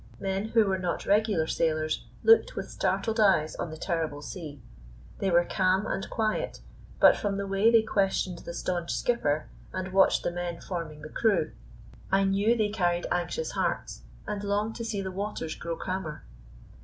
Men who were not regular sailors looked with startled eyes on the terrible sea. They were calm and quiet, but from the way they questioned the staunch skipper, and watched the men forming the crew, I knew they carried anxious hearts, and longed to see the waters grow calmer.